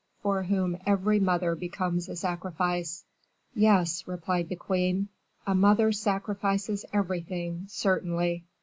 for whom every mother becomes a sacrifice." "Yes," replied the queen; "a mother sacrifices everything, certainly."